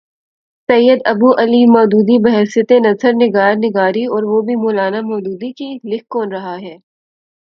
سید ابو الاعلی مودودی، بحیثیت نثر نگار نثر نگاری اور وہ بھی مو لانا مودودی کی! لکھ کون رہا ہے؟